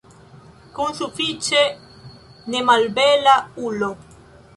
Kun sufiĉe nemalbela ulo.